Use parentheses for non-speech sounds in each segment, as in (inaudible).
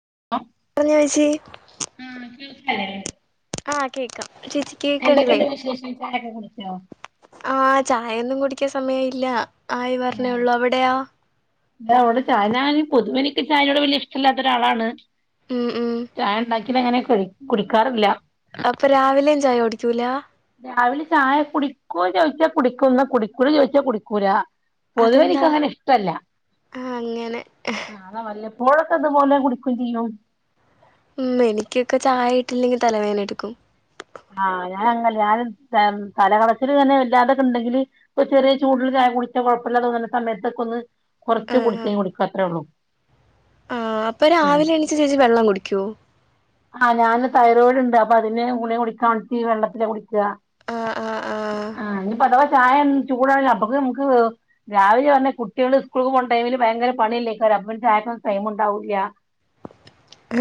(unintelligible) (unintelligible) ആ കേക്കാം ചേച്ചി കേക്ക്ണ്ല്ലേ എന്തൊക്കെയുണ്ട് വിശേഷം ചായൊക്കെ കുടിച്ചോ? ആ ച യൊന്നും കുടിക്കാൻ സമയയില്ല ആയി വര്ണെ ള്ളൂ അവിട്യോ (unintelligible) പൊതുവെനിക്ക് ചായനോട് വല്ല്യ ഇഷ്ട്ടല്ലാത്ത ഒരാളാണ് ഉം ഉം ചായണ്ടാക്കിതങ്ങനെ കുടി കുടിക്കാറില്ല. ചുലാ രാവിലെ ചായ കുടിക്കോ ചോയിച്ച കുടിക്കും ന്ന കുടിക്കൂലെ ചോയിച്ചാ കുടിക്കൂല. അതെന്താ പൊതുവെനിക്കങ്ങനെ ഇഷ്ട്ടല്ല ആഹ് അങ്ങനെ ആത വല്ല (unintelligible) ഇതുപോലെ കുടിക്കും ചെയ്യും ഉം എനിക്കൊക്കെ ചായ ഇട്ടില്ലെങ്കി തലവേന എടുക്കും ആഹ് ഞാൻങ്ങല്ല ഞാൻ (unintelligible) തലകടച്ചിൽ തന്നെ വല്ലാതൊക്കെ ണ്ടെങ്കില് ഒര് ചെറീ ചൂട് (unintelligible) കൊയപ്പല്യ തോന്ന്ണ സമയത്തൊക്കൊന്ന് കൊറച്ച് കുടിച്ച് കുടിക്കത്രെ ള്ളു. ആ അപ്പൊ രാവിലെ എണീച്ച് ചേച്ചി വെള്ളം കുടിക്ക്യോ? ആഹ് ഞാന് തൈറോയിഡ്ണ്ട് അപ്പൊ അതിന്റെ ഗുളിക ടിക്കാണ ഈ വെള്ളത്തി കു കാ ആഹ് ആഹ് ആഹ് ആ ഞ്പ്പതവ ചായ ചൂടാണ് അപ്പൊക്ക് മ്മക്ക് രാവിലെണ് കുട്ട്യാള് സ്കൂൾക്ക് പോണ ടൈമിൽ ഭയങ്കര പണിയെല്ലെക്കാരം. (unintelligible) ചായക്കൊ ടൈം ണ്ടാവൂല.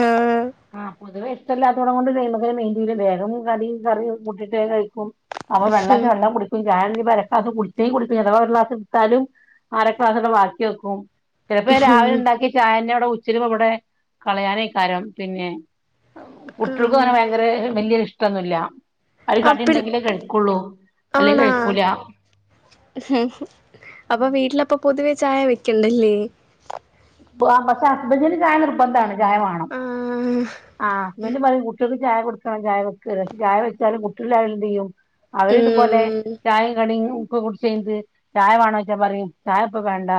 ഏഹ് ആ പൊതുവെ ഇഷ്ട്ടല്ലാത്തടം കൊണ്ട് നൈമക്കൊന്നു മൈൻഡയ്യൂല വേഗം കടിം കറിയൊക്കെ കൂട്ടീട്ട് വേ കഴിക്കും. അപ്പൊ ഹും വെള്ളാച്ചെ വെള്ളം കുടിക്കും ചാ (unintelligible) അര ക്ലാസ് കുടിച്ചേ കുട്ച്ച് അഥവാ ഒരു ളാസ് ഇട്ത്താലും അര ക്ലാസ്സൊക്കെ ബാക്കിയെക്കും. ചെൽപ്പോ ഞാ ഹും രാവിലണ്ടാക്ക്യ ചായന്നെ (unintelligible) ഇവടെ കളയാനേക്കാരം പിന്നെ. കുട്ട്യൾക്കു ആഹ് അങ്ങനെ ഭയങ്കര വല്യൊരു ഇഷ്ടൊന്നുല്ല്യ. അത് കടി ആപ്പിൾ ണ്ടെങ്കിലേ കഴിക്കുള്ളൂ അല്ലെിങ്കി ആണാ കയിക്കൂല. അപ്പൊ വീട്ടിലപ്പ പൊതുവേ ചായ വെക്കണ്ടല്ലേ? (unintelligible) പഷെ ഹസ്ബന്റിന് ചായ നിർബന്ധാണ് ചായ വാണം ആഹ് ആ ഹസ്ബന്റ് പറയും കുട്ട്യാക് ചായ കൊടുക്കണം ചായ വെക്ക് ന്ന് പഷെ ചായ വെച്ചാലും കുട്ട്യാൾ. (unintelligible) അവരിതുപോലെ ഉം ചായ കടിം ക്കൊ കുട്ചൈഞ്ട്ട് ചായ വേണോയ്ച്ച പറിം ചായ ഇപ്പ വേണ്ട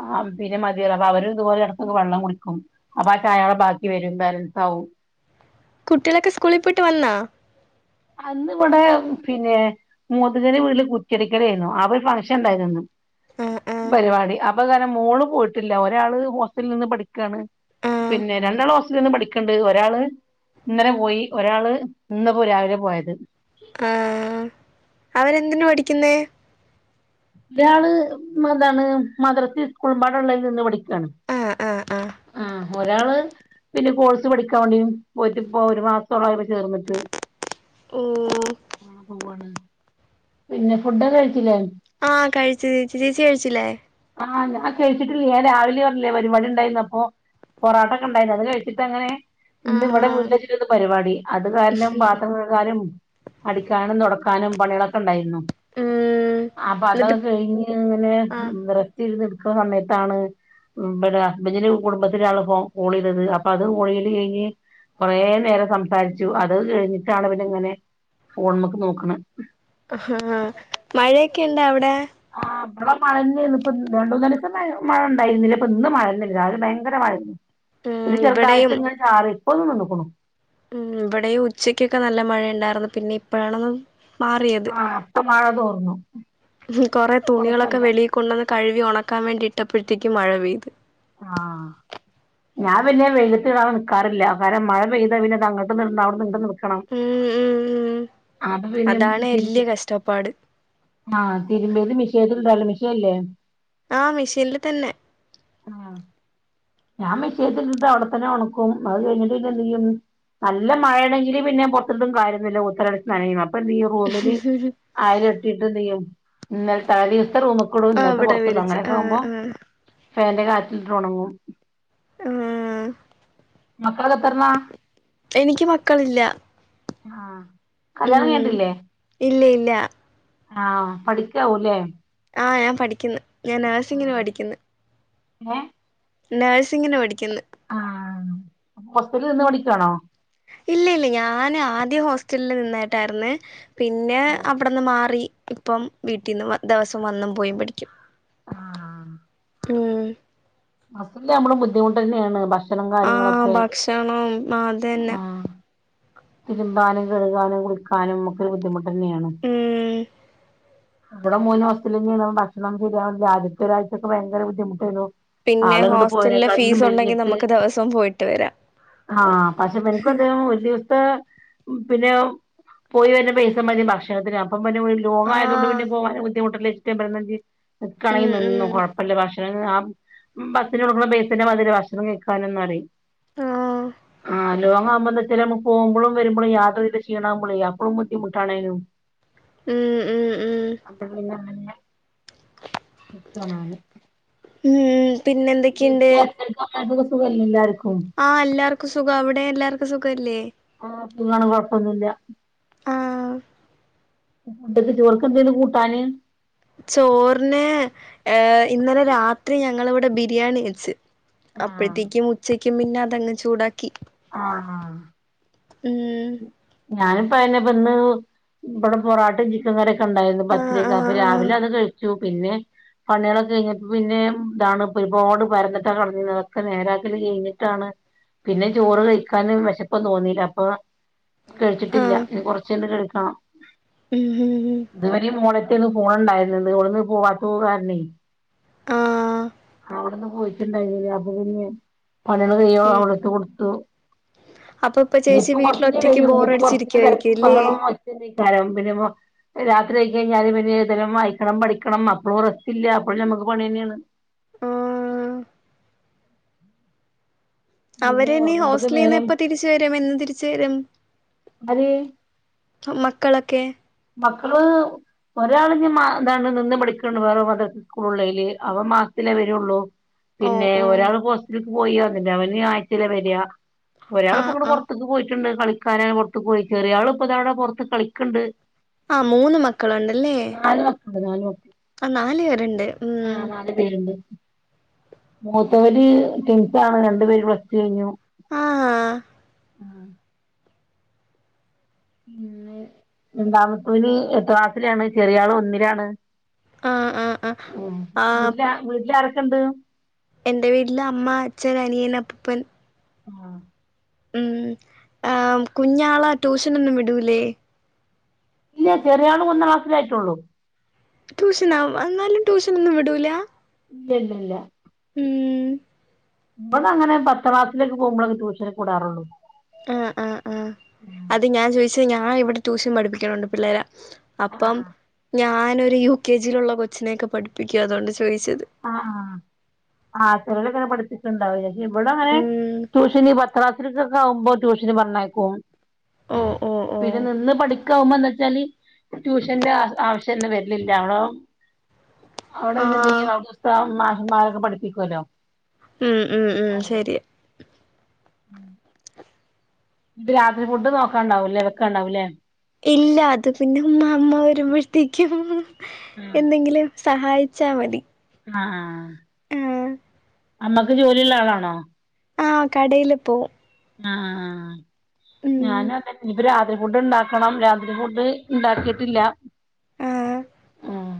ആ പിന്നെ മതിയറിം. പ്പൊ അവരും ഇതുപോലെ എട്ക്കൊക്കെ വെള്ളം കുടിക്കും അപ്പൊ ആ ചായ അവുടെ ബാക്കി വരും ബാലൻസാവും. കുട്ടികളൊക്കെ സ്കൂളി പോയിട്ട് വന്നാ? അന്ന് ഇവിടെ പിന്നെ മൂത്തച്ഛന്റെ വീട്ടില് കുറ്റിയടിക്കലേര്ന്നു ആ ഒരു ഫംഗ്ഷൻ ഇണ്ടായിരുന്നു ആ ആ പരിവാടി അപ്പൊ ഇങ്ങനെ മോള് പോയിട്ടില്ല ഒരാള് ഹോസ്റ്റലിൽ നിന്ന് പഠിക്കാണ്. ആ പിന്നെ രണ്ടാള് ഹോസ്റ്റൽന്ന് പഠിക്ക്ണ്ട് ഒരാള്. ഇന്നലെ പോയി ഒരാള് ഇന്ന്പ്പ രാവിലെ പോയത് എന്തിനു പഠിക്കുന്നേ? ഇയാള് മ എതാണ് മദ്രസി സ്കൂളമ്പാടള്ളയിൽ നിന്ന് പഠി കാണ് ആ ആ ആ ഒരാള് പിന്നെ കോഴ്സ് പഠിക്കാൻ വേണ്ടി പോയിട്ട് ഒരു മാസത്തോളം ആ ചേർന്നിട്ട് മ് ആ പോവാണ് പിന്നെ ഫുഡൊക്കെ കഴിച്ചിലെ ആ കഴിച്ച് ചേച്ചി ചേച്ചി കഴിച്ചിലേ ആ ഞാൻ കഴിച്ചിട്ടില്ല ഞാൻ രാവിലെ പറഞ്ഞില്ലേ പരിപാടി ഉണ്ടായപ്പോ പൊറട്ടൊക്കെ ണ്ടേനി അത് കഴിച്ചിട്ട അങ്ങനെ ആ ഇന്ന് ഇവ്ടെ വീട്ടില് വെച്ചിട്ട പരിപാടി അത് കാരണം ഉം പാത്രം കഴിക്കാനും അടിക്കാനും തൊടക്കാനും പണികളൊക്കെ ണ്ടായിര്ന്നു. അപ്പൊ എന്നിട്ട് അതൊക്കെ കഴിഞ്ഞ് ങ്ങനെ. ആ (unintelligible) ടുക്കുന്നസമയതാണ്. മ്പടെ ഇമ്മച്ചിന്റെ കുടുംബത്തിലാപ്പോ കോൾ ചെയ്തത്, അപ്പം അതും കേളയൽ കഴിഞ്ഞ്. കുറെ നേരം സംസാരിച്ചു അത് കഴിഞ്ഞിട്ടാണ് ങ്ങനെ ഫോൺമക്ക് നോക്ക്ണെ. ആ മഴയൊക്കെ ഇണ്ടാ അവിടെ ആ വ്ടെ മഴ എന്നെ ഏനി പ്പം രണ്ട് മൂന്നാലീസം ന്ന മഴ ണ്ടായിര്ന്നില്ല ഇപ്പൊ ഇന്ന് മഴ ഭയങ്കര മഴയായിരുന്നു. ഇത് ഉം ചെറുതായിട്ട് ങ്ങനെ ചാറി ഇപ്പൊ നിന്ന്ക്ക്ണു. വ്ടെയും ഉച്ചക്കൊക്കെ നല്ല മഴയ ണ്ടായിര്ന്നു പിന്നെ ഇപ്പഴാണ്. മാറിയത് ആ ഇപ്പൊ മഴ തോർന്നു കൊറെ തുണികളൊക്കെ കൊഴപ്പല്ല വെളി കൊണ്ടന്ന് കഴു ഉണക്കാൻ വേണ്ടി ഇട്ടപ്പോഴത്തേക്ക് മഴ പെയ്തു. ആ ഞാൻ പിന്നെ വെയ്ലത്തിടാൻ നിക്കാറില്ല കാരണം മഴ പെയ്താ പിന്നെ അങ്ങട്ട് ഒന്ന് ഇടണം അവ്ട്ന്ന് ങ്ങ ക്കണം ഉം ഉം ഉം ആപ്പ പിന്നെ അതാണ് വല്യ കഷ്ടപ്പാട് ആ തിരുമ്പ്യത് മിഷീൻല് (unintelligible) മിശേൻ ല്ലെ ആ മെഷീനില് തന്നെ. ആ ഞാൻ മിഷി ഇട്ടിട്ട് അവിടെത്തന്നെ ഉണക്കും അത് കഴിഞ്ഞിട്ടെ എന്തെ നല്ല മഴയാണെങ്കില് പിന്നെ പൊറത്തിട്ടും കാര്യന്നല്ല ഉത്തരടിച്ച് നനയും, അപ്പൊ ന്തെയ്യും റൂമില് അയില എട്ടിട്ട് ന്തയും ഇന്നലത്തെ (unintelligible) റൂമക്കിഇടും. ആ ഇന്നത്തെ ഇവിടെ പെറ്ത്തിടും വിരിച്ച് ആ അങ്ങനെയൊക്കെ ആവുമ്പോ ആ ഫാനിന്റെ കാറ്റിട്ട ഉണങ്ങും. മ് മക്കൾ എത്രണ്ണ എനിക്ക് മക്കളില്ല ആ കല്യാണം ഉം കയിഞ്ഞിട്ടില്ലേ ഇല്ല ഇല്ല ആ പഠിക്കാവൂലേ ആ ഞാൻ പഠിക്കുന്നു. ഞാൻ നേഴ്സിങ്ങിന് പഠിക്ക്ന്ന്. ഏ നഴ്സിങ്ങിന് പഠിക്ക്ന്ന് ആ ഹോസ്റ്റലിൽ നിന്ന് മ് പഠിക്കാണോ ഇല്ല ഇല്ല ഞൻ ആദ്യ ഹോസ്റ്റലില് നിന്നിട്ടായിര്ന്ന് പിന്നെ ആ അവിടന്ന് മാറി ഇപ്പം വീട്ടിൽന്ന് ദിവസം വന്ന് വന്നും പോയി പഠിക്കും. ആ. മ് (unintelligible) ബുദ്ധിമുട്ട് തന്നെയാണ് ഭക്ഷ ക്ഷണും ആ കാര്യങ്ങളൊക്കെ ഭക്ഷണം അതന്നെ ആ തിരുമ്പാനും കഴുകാനും കുളിക്കാനും ഒക്കെ ഒരു ബുദ്ധിമുട്ട് തന്നെയാണ്. ഉം ഇവിടെമൂന്നു (unintelligible) ഭക്ഷണംചെയ്യാൻ. ആദ്യത്ത ഒരാഴ്ചൊക്കെ ഭയങ്കര ബുദ്ധി ഏയ്നു പിന്നെ ഹോസ്റ്റലിലെ ഫീസ് ഉണ്ടെങ്കി നമുക്ക് ദിവസം പോയിട്ട് വരാം. ആ പക്ഷെ ഇവർക്കും അതെ ഒരു ദിവസത്തെ. പിന്നെ പോയി വരുന്ന പൈസ മതി ഭക്ഷണത്തിന്. (unintelligible) ലോങ്ങ്‌ ആയതുകൊണ്ട് പിന്നെ ആഹ് പോകാനും ബുദ്ധിമുട്ടല്ലേന്ന് (unintelligible) നിക്കണേ ഉം ഉം നിന്നോ കുഴപ്പമില്ല ഭക്ഷ ആ ബസ്സിന് കൊടുക്കുന്ന പൈസന്റെ മതി ഭക്ഷണം കഴികാൻ ന്നാല് ഉം ആ ലോങ്ങമ്പോ വെച്ചല് പോംമ്പളും വര്മ്പളും യാത്ര ചെയ്ത ഷീണ മ്പളെ അപ്പഴും ബുദ്ധിമുട്ടാണലോ ഉം ഉം അത് പിന്നെങ്ങന്നെ മുത്തമാണ് ഉം പിന്നെ എന്തൊക്കെയുണ്ട് വീട്ടിലും ഉമ്മാക്കും എല്ലാർക്കും സുഖല്ലേ എല്ലാർക്കും ആ എല്ലാർക്കും സുഖാ അവിടെ എല്ലാർക്കും സുഖല്ലേ ആ കൊഴപ്പൊന്നുമില്ല ആ ഉച്ചെക്ക് ചോർക്ക് എന്തേണ് കൂട്ടാന് ചോറിന് ഏ ഇന്നലെ രാത്രി ഞങ്ങള് ഇവിടെ ബിരിയാണി വെച്ച് ആഹ് അപ്പോഴ്ത്തേക്കും ഉച്ചക്കും പിന്നെ അതങ്ങ് ചൂടാക്കി ആ ആഹ് ഉം (unintelligible) ഇവിടെ പൊറാട്ടയും ചിക്കൻ കറിയൊക്കെ ഉണ്ടായിരുന്നു പത്തിരി ആഹ് ഒക്കെ അപ്പോ ആഹ് രാവിലെ അത് ആഹ് കഴിച്ചു പിന്നെ പണികളൊക്കെ കഴിഞ്ഞിട്ട് പിന്നെ ഇതാണ് ഒരുപാട് പരന്നിട്ട കേടാനിർന്നെ അതൊക്കെ നേരാക്കല് കഴിഞ്ഞിട്ടാണ് പിന്നെ ചോറ് കഴിക്കാനും വെശപ്പ് തോന്നില്ല അപ്പോ കഴിച്ചിട്ടില്ല ഇല്ല ആഹ് ഇനി കൊറച്ച് കഴിഞ്ഞിട്ട് കഴിക്കണം ഉം ഉം ഉം എനിക്കിന്ന് പോവാനുണ്ടായിരുന്ന് ഇന്ന് ഇവിടുന്ന് പോവാത്തത് കാരണേ ആഹ് അവിട്ന്ന് പോയിട്ടുണ്ടായിരുന്നില്ല അപ്പ പിന്നെ ഞാൻ പണികൾ കഴിയോളം ഉം അവൾട് എടുത്ത് കൊടുത്തു അപ്പൊ ഇപ്പൊ ചേച്ചി ഇനിപ്പോ കൊ വീട്ടിലൊറ്റക്ക് കഴിയും ഇനിപ്പോ കൊറച്ച് തെരക്കും ബോറടിച്ചിരിക്കുവായിരിക്കും അല്ലേ ബഹളോം ആയിട്ട് (unintelligible) രാത്രി ആയി കഴിഞ്ഞാല് പിന്നെ എഴുതണം വായിക്കണം പഠിക്കണം അപ്പോഴും റെസ്റ്റ്‌ ഇല്ല അപ്പോഴും ഞമ്മക്ക് പണിന്നെയാണ് ആഹ് പിന്നെ അവര് ഇനി ഒറങ്ങുമ്പക്ക് ഹോസ്റ്റലീന്ന് നേരം എപ്പോ തിരിച്ച് വരും എന്ന് തിരിച്ച് വരും അര് മക്കളൊക്കെ മക്കള് ഒരാള് ഇനി മ ഇതാണ് നിന്ന് പഠിക്കണ് വേറെ മദ്രസ സ്കൂളേല് അവൻ മാസത്തിലേ വരള്ളൂ ഓ പിന്നെ ഓ ഒരാള് ഹോസ്റ്റലേക്ക് പോയി വന്നില്ല അവന് ആഴ്ചയില വരിക ആ ഒരാളിപ്പോ ഇങ്ങട് ആ പോറത്തേക്ക് പോയിട്ടുണ്ട് കളിക്കാനായി പോറത്തുക്ക് പോയി കയറിയ ആള് ഇപ്പോതാവിടെ പോറത്ത് കളിക്കണ്ട് ആഹ് മൂന്ന് മക്കളുണ്ടല്ലേ അല്ല നാല് മക്കള് ആ നാല് പേരുണ്ട് ആ ഉം നാല് പേരുണ്ട് മൂത്തവര് ട്വിൻസ് ആണ് രണ്ടു പേര് പ്ലസ് ടു കഴിഞ്ഞു ആ ഹാ ഉം രണ്ടാമത്തോന് ഏട്ടാ ക്ലാസ്സിലാണ് ചെറിയാള് ഒന്നിലാണ് ആ ആ ആ ഉം ആ വീട്ടില വീട്ടില് ആരൊക്കെണ്ട് എന്റെ വീട്ടില് അമ്മ അച്ഛൻ അനിയൻ അപ്പുപ്പൻ ആ ഉം ആ കുഞ്ഞാളാ ട്യൂഷനൊന്നും വിടൂലേ ഇല്ല ചെറിയ ആള് ഒന്നാക്ലാസ്സിലായിട്ടുള്ളു ട്യൂഷനാ എന്നാലും ട്യൂഷനൊന്നും വിടൂല ഇല്ലില്ല ഇല്ല ഉം ഇബാടെ അങ്ങനെ പത്താക്ലാസിലേക്കൊ പോകുമ്പോഴേ ട്യൂഷനൊക്ക വിടാറുള്ളൂ ആ ആ ആ അത് ഞാൻ ചോയിച്ചത് ഞാൻ ഇവിടെ ട്യൂഷൻ പഠിപ്പിക്കണുണ്ട് പിള്ളേരേ അപ്പം ഞാനൊരു യു കെ ജി യിലുള്ള കൊച്ചിനൊക്കെ പഠിപ്പിക്കും അതുകൊണ്ടാ ചോ ആ ആ ആ ചേലോളിങ്ങനെ പഠിപ്പിച് ണ്ടാവും ലെ ഇവിട അങ്ങനെ ഉം ട്യൂഷനി ക്ലാസ്സിലക്കൊക്കെ ആവുമ്പോ ട്യൂഷന് പറഞ്ഞയക്കും ഓ ഓ ഓ പിന്നെ നിന്ന് പടി ക്കാ വുമ്പോന്താച്ചാൽ ട്യൂഷൻ ന്റെ ആവശ്യംന്നും വര്ന്നില്ല. അവിടെ ആഹ് പിന്നെന്തെയും അവ്ടുത്തെ ഉസ്താദും മാഷ്മാരൊക്കെ പഠിപ്പിക്കൂലോ. മ് മ് മ് ശെരി മ് ഇത് രാത്രി ഫുഡ് നോക്കാണ്ടാവുംല്ലേ വെക്കാണ്ടാവൂല്ലേ? ഇല്ല അത് പിന്നെ മ്മാമ്മ വരുമ്പോഴത്തേക്കും എന്തെങ്കിലും സഹായിച്ചാ മതി. ആ ആ ആഹ് അമ്മക്ക് ജോലിള്ള ആളാണോ? ആഹ് കടയില് പോവും. അ ആ ഞാന ഉം വരെ ആദൃം ഫുഡ് ഉണ്ടാക്കണം രാത്രി ഫുഡ് ഇണ്ടാക്കിട്ടില്ല ആഹ് മ്.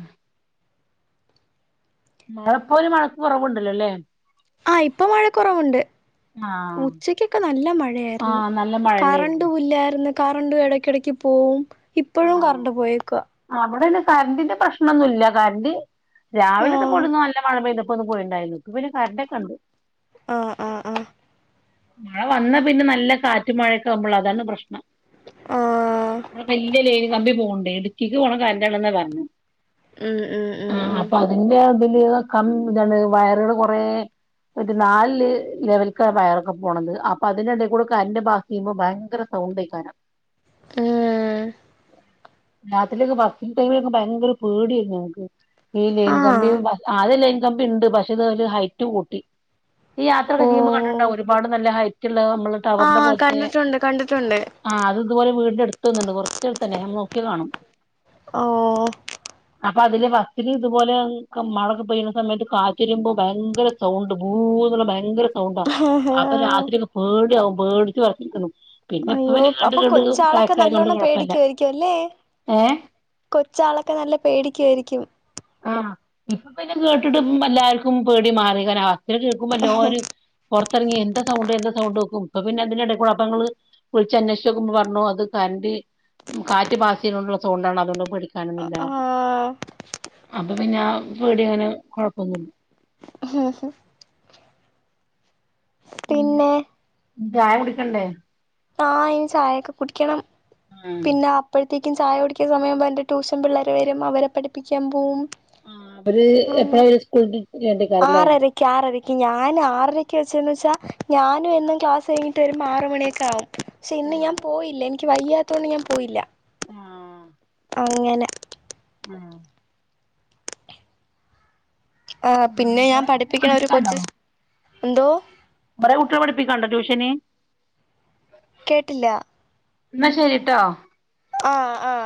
മഴ പോലും മഴക്ക് കുറവുണ്ടല്ലോല്ലേ. ആഹ് ഇപ്പൊ മഴ കുറവുണ്ട്. ആഹ് ഉച്ചക്കൊക്കെ നല്ല മഴയായിരുന്നു. ആഹ് നല്ല മഴന്നെയായിരുന്നു കറണ്ടുംല്ലായിരുന്നു. കറണ്ട് ഇടയ്ക്കിടക്ക് പോകും. ഇപ്പോഴും ആഹ് കറണ്ട് പോയേക്കുക. അവിടെന്നെ കറണ്ടിന്റെ പ്രശ്നമൊന്നും ഇല്ല കറണ്ട് രാവിലത്തെ ആഹ് പൊടുന്നു അല്ല മഴ പെയ. ഒന്ന് പോയിണ്ടായിരുന്നു. ഇപ്പൊ പിന്നെ കറണ്ടൊക്കെ ണ്ട്. ആഹ് ആഹ് ആഹ് മഴ വന്നാ പിന്നെ നല്ല കാറ്റ് മഴൊക്കെ ആവുമ്പോള അതാണ് പ്രശ്നം. ആ ഇവിടെ വലിയ ലൈൻ കമ്പി പോണ്ടേ ഇടുക്കിക്ക് പോണം കണെന്ന പറഞ്ഞു ഉം ഉം ആ ഉം ഉം അപ്പൊ അതിന്റെ- ല കം ഇതാണ് വയറുകള് കുറ- ഒരു നാല് ലെവലക്കാ വയറൊക്കെ പോണത് അപ്പൊ അതിന്റെടെ കൂടെ കരണ്ട് പാസ്സ് ചെയ്യുമ്പോ ഭയങ്കര സൗ സൗണ്ടക്കാനം. ആഹ് രാത്രീലൊക്കെ ബസിംങ്‌ ടൈമിലൊക്കെ ഭയങ്കര പേടിയരുന്നു ഞങ്ങക്ക്. ഈ ലൈൻ കമ്പി ആഹ് ആദ്യ ലൈൻ കമ്പി ഇ ണ്ട് പക്ഷെ ഇത് ഹൈറ്റ് കൂട്ടി. ഈ യാത്രൊക്ക ചെയ്യ്പോ കണ്ട് ട്ട് ണ്ടോ ഓഹ് ഒരുപാട് നല്ല ഹൈ നമ്മ ടവറിന്റെ ആഹ് പോലത്തെ കണ്ടിട്ടുണ്ട് കണ്ടിട്ടുണ്ട് ആ അത് ഇതുപോലെ വീടിന്റെ അടുത്തൊന്നുണ്ട്. തന്നെ നോക്കി കാണും. ഓ അപ്പൊ അതില് വസ്രി ഇതുപോലെ മഴക്കെ പെയ്യുന്ന സമയത്ത് കാച്ചിരുമ്പോ ഭയങ്കര സൗണ്ട് ബു ഭയങ്കര സൗണ്ടാ അപ്പൊ രാത്രിയൊക്കെ പേടിയാകും പേടിച്ച് വച്ചരിക്കുന്നു. അയ്യോ അപ്പൊ കൊച്ചാളക്കെ പ്രായാക്കായതുകൊണ്ട് നല്ലോണ്ണം പേടി- കുഴപ്പല്ല രിക്കയിരിക്കും അല്ലെ ഏഹ് കൊച്ചാളൊക്കെ നല്ല പേടിക്കുവാ യിരിക്കും. ആഹ് ഇപ്പൊ പിന്നെ കേട്ടിട്ട് എല്ലാവർക്കും പേടി മാറി. ഇതി കേൾക്കുമ്പോല്ലോര് പുറത്തിറങ്ങി എന്താ സൗണ്ട് എന്താ സൗണ്ട് നോക്കും. അപ്പൊ പിന്നെ അതിട കു അാപ്പങ്ങള് വിളിച്ച അന്വേഷിച്ച നോക്കുമ്പോ പറഞ്ഞു അത് കറന്റ് ഉ കാറ്റ് പാസിയില കൊണ്ടുള്ള സൗണ്ടാണ് അതുകൊണ്ട് പേടിക്കാനൊന്നുമില്ല ആഹ് പിന്നെ ആ വീടിങ്ങനെ കൊഴപ്പൊന്നുല്ല. ഹോഹോ പിന്നെ ചായ കുടിക്കണ്ടേ? ആ ഇൻ ചായയൊക്കെ കുടിക്കണം ആഹ് പിന്നെ അപ്പഴ. അറ്റേക്കും ചായ കുടിക്കുന്ന സമയം എന്റെ ട്യൂഷൻ പിള്ളേർ വരും. അവരെ പഠിപ്പിക്കാൻ പോകും. ആഹ് അവര് എപ്പഴാ അവര് സ്കൂളിട്ട് വരേണ്ടിക്കാരല്ലേ ആറരക്ക് ആറരക്ക് ഞാൻ ആറരക്ക വെച്ചന്ന് വെച്ചാ ഞാനും എന്നും ക്ലാസ് കഴിഞ്ഞിട്ട് ഒരു ആറ് മണിയൊക്കെ ആകും പക്ഷെ ഇന്ന് ഞാൻ ആഹ് പോയില്ല എനി ക്ക് വയ്യാത്തോണ്ട് ഞാൻ പോയില്ല. ആഹ് അങ്ങനെ. ആ ആ പിന്നെ ഞാൻ പഠിപ്പിക്കണ ഒരു കൊച്ച് എന്തോ? കൊറെ കുട്ടിളെ പഠിപ്പിക്കൊണ്ട ട്യൂഷന്? കേട്ടില്ല. എന്നാ ശരിട്ടോ. ആ ആ